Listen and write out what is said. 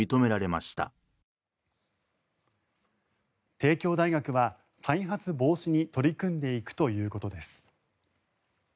帝京大学は再発防止に取り組んでいくということです。